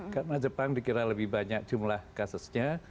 karena jepang dikira lebih banyak jumlah kasusnya